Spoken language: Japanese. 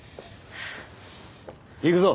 行くぞ。